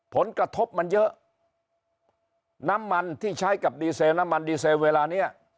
ผลกระทบมันเยอะน้ำมันที่ใช้กับดีเซลน้ำมันดีเซลเวลาเนี้ย